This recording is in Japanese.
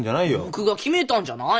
僕が決めたんじゃないも。